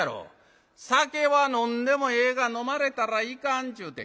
『酒は飲んでもええが飲まれたらいかん』ちゅうて。